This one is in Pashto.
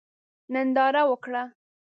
ننداره وکړه.